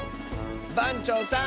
ばんちょうさん。